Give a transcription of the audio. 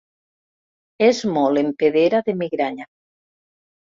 És molt empedera de migranya.